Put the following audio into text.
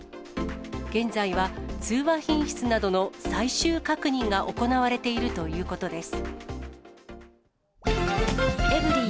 現在は通話品質などの最終確認が行われているということです。